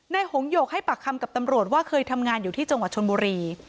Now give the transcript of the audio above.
หงหยกให้ปากคำกับตำรวจว่าเคยทำงานอยู่ที่จังหวัดชนบุรี